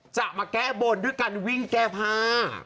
จะมาแก้บนด้วยการวิ่งแก้ผ้า